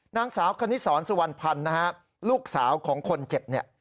นางสาวคณิสรสุวรรณพันธ์นะฮะลูกสาวของคนเจ็บเนี่ย